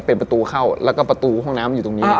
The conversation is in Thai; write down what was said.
เป็นประตูเข้าแล้วก็ประตูห้องน้ำอยู่ตรงนี้